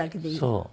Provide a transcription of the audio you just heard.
そう。